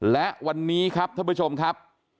และวันนี้ครับท่านผู้ชมครับ